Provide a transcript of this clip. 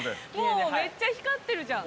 めっちゃ光ってるじゃん。